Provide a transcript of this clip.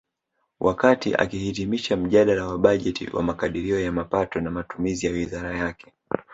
Wakati akihitimisha mjadala wa bajeti wa makadirio ya mapato na matumizi ya wizara yake